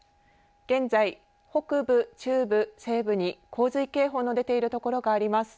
現在北部、中部、西部に洪水警報の出ている所があります。